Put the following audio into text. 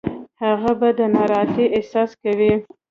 هغه به د ناراحتۍ احساس کوي.